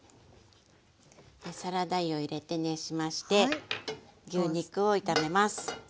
サラダ油を入れて熱しまして牛肉を炒めます。